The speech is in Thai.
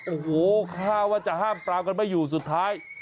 โอ้โหข้าวว่าจะห้ามปรามกันไม่อยู่สุดท้าย